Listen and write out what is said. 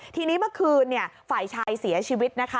ทีนี้เมื่อคืนฝ่ายชายเสียชีวิตนะคะ